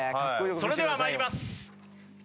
それでは参ります。